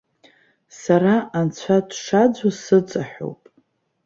Сара Анцәа дшаӡәу сыҵаҳәоуп.